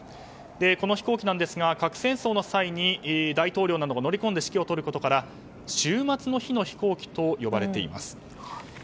この飛行機ですが核戦争の際に大統領などが乗り込んで指揮を執ることから終末の日の飛行機と呼ばれています。